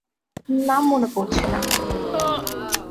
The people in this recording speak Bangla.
নাম মনে পড়ছে না।